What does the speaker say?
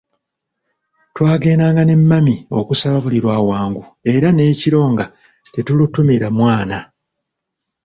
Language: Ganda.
Twagendanga ne mami okusaba buli lwa Wangu era n'ekiro nga tetulutumira mwana.